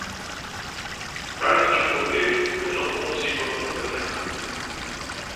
Pare de correr, eu não consigo acompanhá-lo.